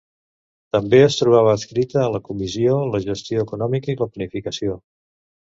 També es trobava adscrita a la Comissió la gestió econòmica i la planificació.